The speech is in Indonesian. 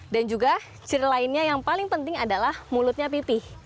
dan juga ciri lainnya yang paling penting adalah mulutnya pipih